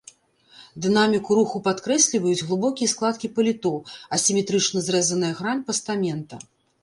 Дынаміку руху падкрэсліваюць глыбокія складкі паліто, асіметрычна зрэзаная грань пастамента.